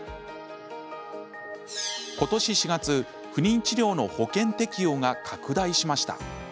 ことし４月、不妊治療の保険適用が拡大しました。